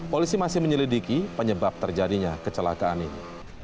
polisi masih menyelidiki penyebab terjadinya kecelakaan ini